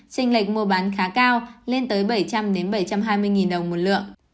trình lệch mua bán khá cao lên tới bảy trăm linh bảy trăm hai mươi đồng một lượng